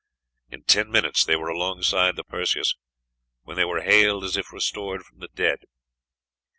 In ten minutes they were alongside the Perseus, when they were hailed as if restored from the dead.